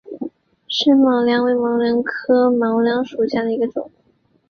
深山毛茛为毛茛科毛茛属下的一个种。